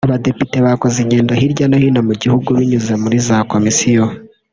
Abadepite bakoze ingendo hirya no hino mu gihugu binyuze muri za Komisiyo